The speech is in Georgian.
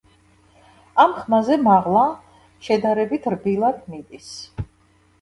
ამ ხმაზე მაღლა შედარებით რბილად მიდის.